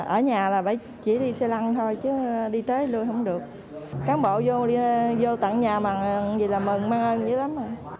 ở nhà là chỉ đi xe lăng thôi chứ đi tới lui không được cán bộ vô tận nhà mà vậy là mừng mong ơn dễ lắm